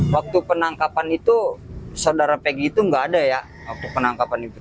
waktu penangkapan itu saudara pegi itu nggak ada ya waktu penangkapan itu